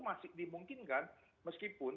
masih dimungkinkan meskipun